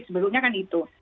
sebelumnya kan itu